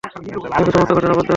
তাকে সমস্ত ঘটনা বলতে হবে।